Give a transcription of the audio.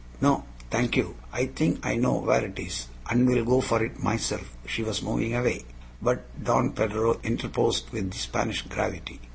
"No, thank you. I think I know where it is, and will go for it myself." She was moving away. But Don Pedro interposed with Spanish gravity.